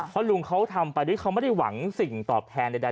เพราะลุงเขาทำไปด้วยเขาไม่ได้หวังสิ่งตอบแทนใด